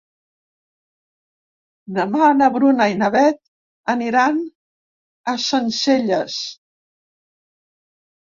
Demà na Bruna i na Beth aniran a Sencelles.